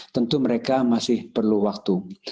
tentu mereka masih perlu waktu